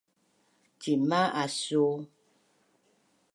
Cima asu’u?